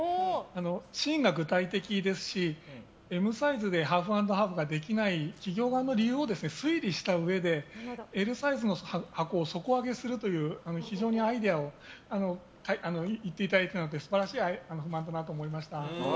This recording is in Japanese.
シーンが具体的ですしＭサイズでハーフ＆ハーフができない企業側の理由を推理したうえで、Ｌサイズの箱を底上げするというアイデアを言っていただいたのですごい！